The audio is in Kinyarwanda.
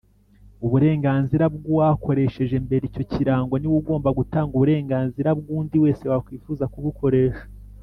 Uburenganzira bw’uwakoresheje mbere icyo kirango niwe ugomba gutanga uburenganzira bwundi wese wakwifuza kubukoresha.